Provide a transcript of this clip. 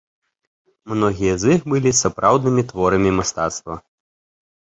Многія з іх былі сапраўднымі творамі мастацтва.